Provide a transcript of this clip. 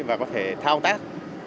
và có thể thao tác